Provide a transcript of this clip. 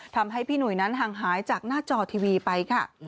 ทำให้พี่หนุ่ยนั้นห่างหายจากหน้าจอทีวีไปค่ะ